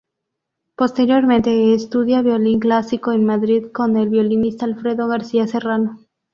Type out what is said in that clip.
Posteriormente estudia violín clásico en Madrid con el violinista Alfredo García Serrano.